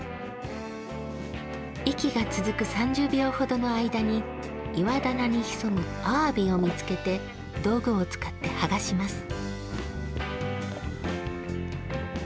息が続く３０秒ほどの間に岩棚に潜むあわびを見つけて道具を使って剥がします。